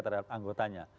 tidak ada anggotanya